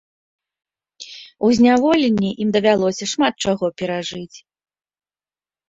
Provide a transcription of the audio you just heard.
У зняволенні ім давялося шмат чаго перажыць.